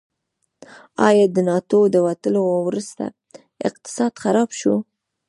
آیا د ناټو د وتلو وروسته اقتصاد خراب شو؟